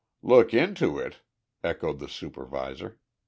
"Look into it?" echoed the supervisor.